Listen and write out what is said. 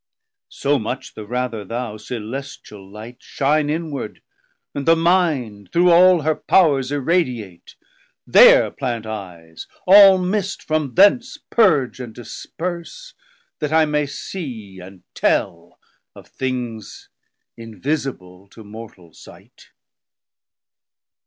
50 So much the rather thou Celestial light Shine inward, and the mind through all her powers Irradiate, there plant eyes, all mist from thence Purge and disperse, that I may see and tell Of things invisible to mortal sight.